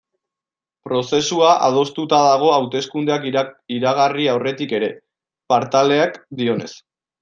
Prozesua adostuta dago hauteskundeak iragarri aurretik ere, Partalek dioenez.